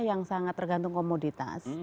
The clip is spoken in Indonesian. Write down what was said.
yang sangat tergantung komoditas